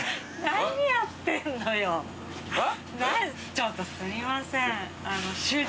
ちょっとすいません主人。